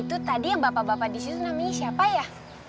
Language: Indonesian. itu tadi bapak bapak disitu namanya siapa ya